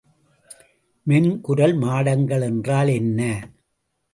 மென்குரல் மாடங்கள் என்றால் என்ன?